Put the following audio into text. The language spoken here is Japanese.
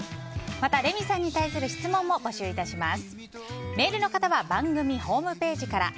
また、レミさんに対する質問も募集いたします。